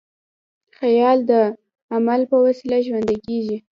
خیال د عمل په وسیله ژوندی کېږي.